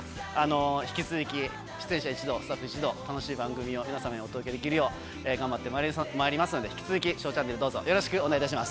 引き続き出演者一同スタッフ一同楽しい番組を皆様にお届けできるよう頑張ってまいりますので引き続き『ＳＨＯＷチャンネル』どうぞよろしくお願いいたします。